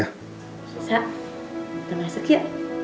sa kita masuk ya